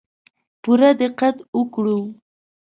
پوره دقت وکړو.